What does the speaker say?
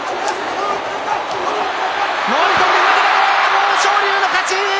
豊昇龍の勝ち。